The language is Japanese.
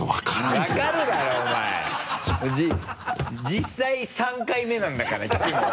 実際３回目なんだから聞くの。